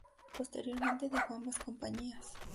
Posteriormente dejó ambas compañías.